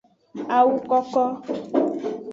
Awu koko.